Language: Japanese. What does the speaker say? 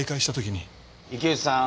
池内さん